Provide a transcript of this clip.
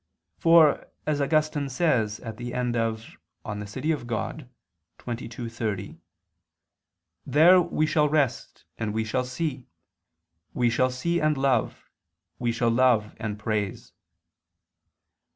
For, as Augustine says at the end of De Civitate Dei xxii, 30, "there we shall rest and we shall see, we shall see and love, we shall love and praise."